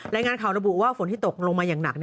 รายงานข่าวระบุว่าฝนที่ตกลงมาอย่างหนัก